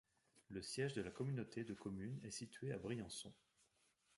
Le siège de la communauté de communes est situé à Briançon.